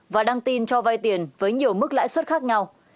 và đăng tin cho vay tiền với nhiều mức lãi suất khác nhau